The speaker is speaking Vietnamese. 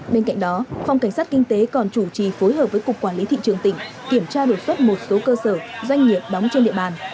bên cạnh đó phòng cảnh sát kinh tế còn chủ trì phối hợp với cục quản lý thị trường tỉnh kiểm tra đột xuất một số cơ sở doanh nghiệp đóng trên địa bàn